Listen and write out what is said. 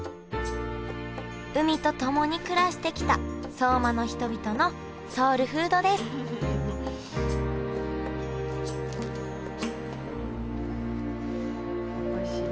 海と共に暮らしてきた相馬の人々のソウルフードですおいしい。